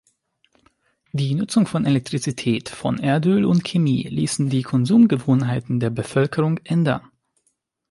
Die Nutzung von Elektrizität, von Erdöl und Chemie ließen die Konsumgewohnheiten der Bevölkerung ändern.